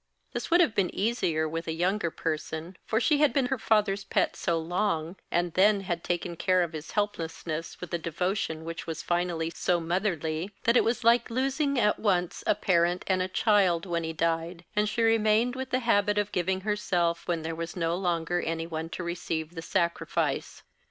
This would have been easier with a younger person, for she had been her father's pet so long, and then had taken care of his helplessness with a devotion which was finally so motherly, that it was like losing at once a parent and a child when he died, and she remained with the habit of giving herself when there was no longer any one to receive the sacrifice.